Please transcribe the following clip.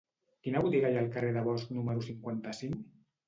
Quina botiga hi ha al carrer de Bosch número cinquanta-cinc?